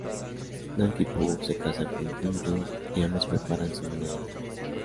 Nanki-Poo se casa con Yum-Yum y ambos preparan su luna de miel.